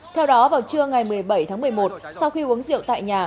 theo đó vào trưa ngày một mươi bảy tháng một mươi một sau khi uống rượu tại nhà